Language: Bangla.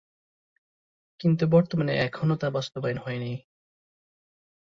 কিন্তু বর্তমানে এখনো তা বাস্তবায়ন হয়নি।